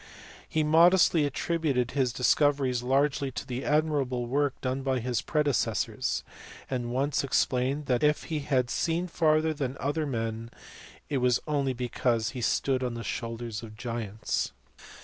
He modestly attributed his discoveries largely to the admirable work done by his predecessors ; and once explained that, if he had seen farther than other men, it was only because he had stood on the shoulders of giants.